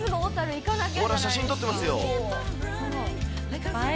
ほら、写真撮ってますよ。